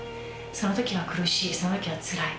その時は苦しい、その時はつらい。